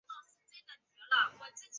短穗山姜为姜科山姜属下的一个种。